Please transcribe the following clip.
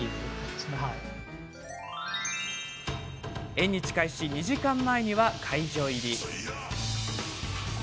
縁日開始２時間前には会場入り。